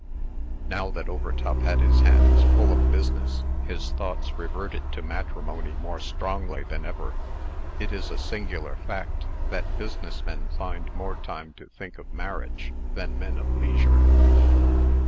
Now that Overtop had his hands full of business, his thoughts reverted to matrimony more strongly than ever. It is a singular fact, that business men find more time to think of marriage, than men of leisure.